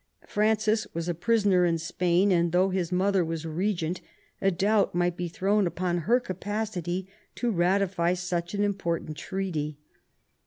Francis was a prisoner in Spain, and though his mother was regent, a doubt might be thrown upon her capacity to ratify such an important treaty.